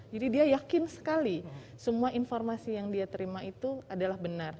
jadi dia yakin sekali semua informasi yang dia terima itu adalah benar